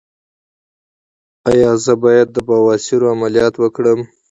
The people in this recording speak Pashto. ایا زه باید د بواسیر عملیات وکړم؟